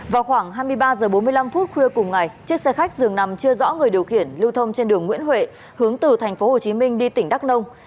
vào khoảng hai mươi ba h bốn mươi năm khuya cùng ngày chiếc xe khách dường nằm chưa rõ người điều khiển lưu thông trên đường nguyễn huệ hướng từ thành phố hồ chí minh đi tỉnh đắk nông